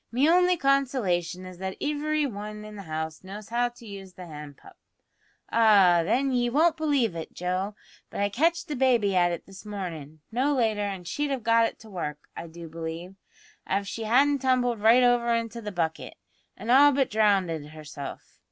Me only consolation is that ivery wan in the house knows how to use the hand pump. Ah, then, ye won't believe it, Joe, but I catched the baby at it this mornin', no later, an' she'd have got it to work, I do believe, av she hadn't tumbled right over into the bucket, an' all but drownded herself.